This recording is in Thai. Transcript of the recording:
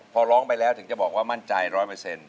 พอร้องไปแล้วถึงจะบอกว่ามั่นใจร้อยเปอร์เซ็นต